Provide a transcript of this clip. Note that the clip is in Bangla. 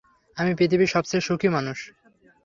আমি পৃথিবীর সবচেয়ে সুখী মানুষ।